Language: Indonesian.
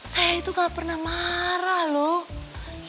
saya itu gak pernah marah loh